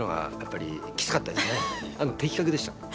的確でした。